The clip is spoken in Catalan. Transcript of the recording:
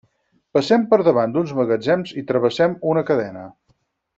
Passem per davant d'uns magatzems i travessem una cadena.